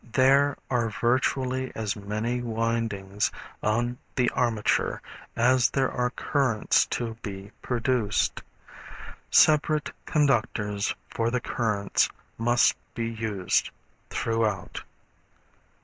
There are virtually as many windings on the armature as there are currents to be produced. Separate conductors for the currents must be used throughout.